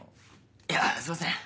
いやすいません